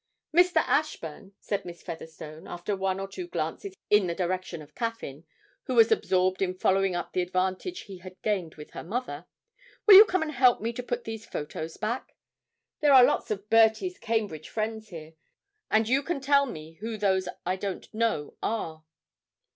'Mr. Ashburn,' said Miss Featherstone, after one or two glances in the direction of Caffyn, who was absorbed in following up the advantage he had gained with her mother, 'will you come and help me to put these photos back? There are lots of Bertie's Cambridge friends here, and you can tell me who those I don't know are.'